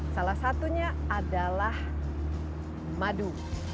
salah satunya adalah madu